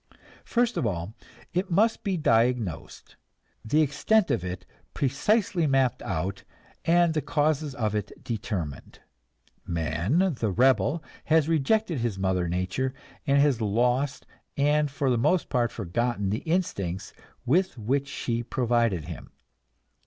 First of all, it must be diagnosed, the extent of it precisely mapped out and the causes of it determined. Man, the rebel, has rejected his mother nature, and has lost and for the most part forgotten the instincts with which she provided him.